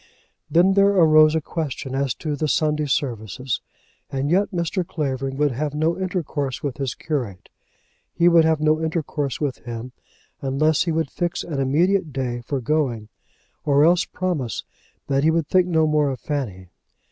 Then there arose a question as to the Sunday services, and yet Mr. Clavering would have no intercourse with his curate. He would have no intercourse with him unless he would fix an immediate day for going, or else promise that he would think no more of Fanny.